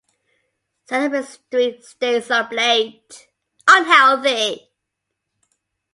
Sesame Street Stays Up Late!